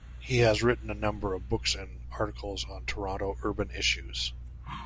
He has written a number of books and articles on Toronto urban issues.